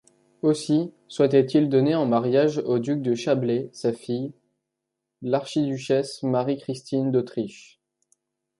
Aussi souhaitait-il donner en mariage au duc de Chablais sa fille, l'archiduchesse Marie-Christine d'Autriche.